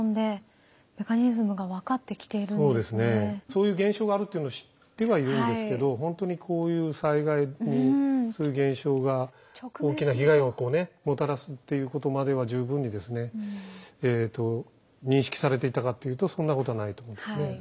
そういう現象があるっていうのを知ってはいるんですけどほんとにこういう災害にそういう現象が大きな被害をこうねもたらすっていうことまでは十分に認識されていたかっていうとそんなことはないと思うんですね。